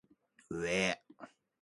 うぇ